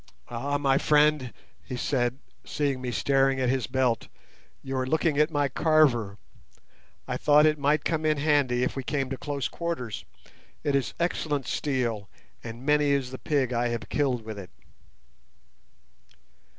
"Ah, my friend," he said, seeing me staring at his belt, "you are looking at my 'carver'. I thought it might come in handy if we came to close quarters; it is excellent steel, and many is the pig I have killed with it."